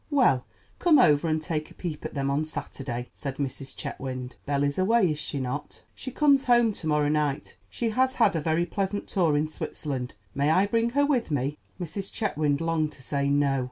"Well, come over and take a peep at them on Saturday," said Mrs. Chetwynd. "Belle is away, is she not?" "She comes home to morrow night; she has had a very pleasant tour in Switzerland. May I bring her with me?" Mrs. Chetwynd longed to say "No."